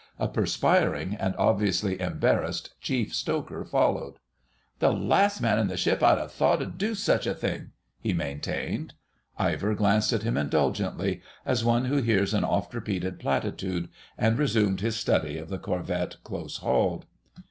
A perspiring and obviously embarrassed Chief Stoker followed. "The last man in the ship I'd 'a' thought 'ud do such a thing," he maintained. Ivor glanced at him indulgently, as one who hears an oft repeated platitude, and resumed his study of the corvette close hauled.